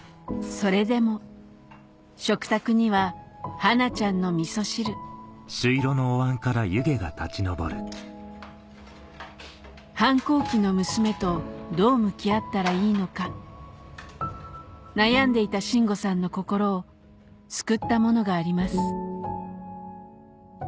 それでも食卓にははなちゃんのみそ汁反抗期の娘とどう向き合ったらいいのか悩んでいた信吾さんの心を救ったものがあります